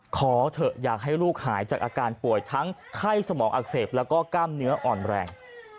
ขอเถอะอยากให้ลูกหายจากอาการป่วยทั้งไข้สมองอักเสบแล้วก็กล้ามเนื้ออ่อนแรง